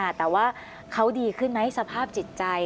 แต่ว่าเขาดีขึ้นไหมสภาพจิตใจ